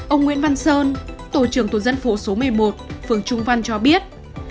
ông nguyễn văn sơn tổ trưởng tổ dân phố số một mươi một phường trung văn cho biết